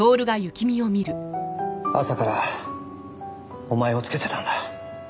朝からお前をつけてたんだ。